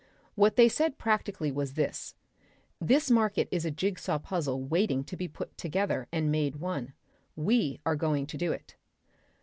What they said practically was this: This market is a jig saw puzzle waiting to be put together and made one. We are going to do it.